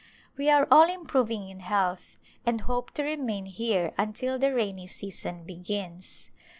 We are all improving in health and hope to remain here until the rainy season begins.